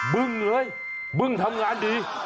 เบิ้งเฮ้ยเบิ้งทำงานดี